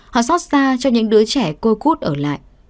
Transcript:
họ xót xa cho những đứa trẻ cô cút ở lại